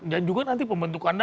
dan juga nanti pembentukannya